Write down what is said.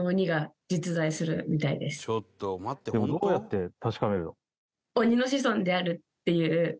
でもどうやって確かめるの？